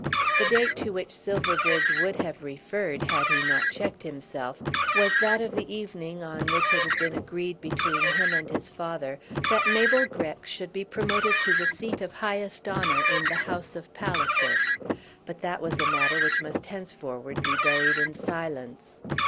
The date to which Silverbridge would have referred, had he not checked himself, was that of the evening on which it had been agreed between him and his father that Mabel Grex should be promoted to the seat of highest honour in the house of Palliser, but that was a matter which must henceforward be buried in silence.